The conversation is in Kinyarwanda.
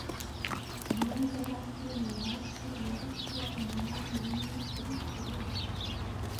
Inyongera kuri Minosi yari kuba Umwami wibi kuri Kirete